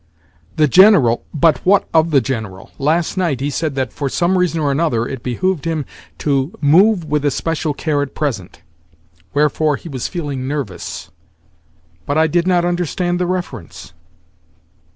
"The General—" "But what of the General? Last night he said that, for some reason or another, it behoved him to 'move with especial care at present;' wherefore, he was feeling nervous. But I did not understand the reference."